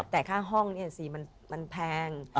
แต่ค่าห้องเนี่ยสิมันแพง